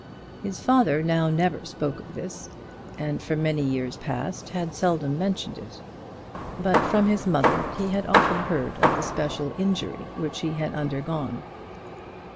His father now never spoke of this, and for many years past had seldom mentioned it. But from his mother he had often heard of the special injury which he had undergone.